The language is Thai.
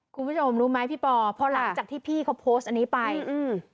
คุณผู้ชมรู้ไหมพี่ปอพอหลังจากที่พี่เขาโพสต์อันนี้ไปอืม